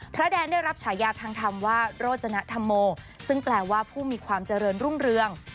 แดนได้รับฉายาทางธรรมว่าโรจนธรรมโมซึ่งแปลว่าผู้มีความเจริญรุ่งเรือง